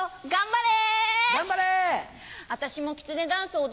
頑張れ！